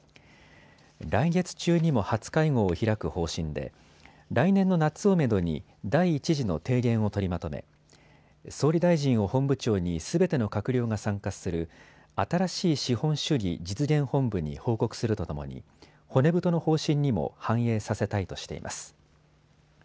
来月中にも初会合を開く方針で来年の夏をめどに第１次の提言を取りまとめ総理大臣を本部長にすべての閣僚が参加する新しい資本主義実現本部に報告するとともに骨太の方針にも反映させたいとしています。